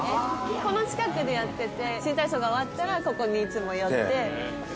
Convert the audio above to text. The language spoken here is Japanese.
この近くでやってて、新体操が終わったら、ここにいつも寄って。